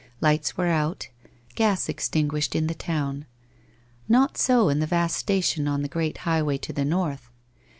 Lights were out, gas extinguished in the town. Not so in the vast station on the great highway to the north.